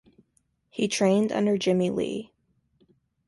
He trained under Jimmie Lee.